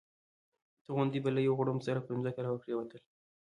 توغندي به له یو غړومب سره پر ځمکه را پرېوتل.